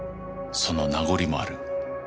その名残もある。